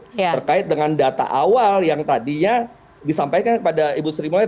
terkait dengan data awal yang tadinya disampaikan kepada ibu sri mulyani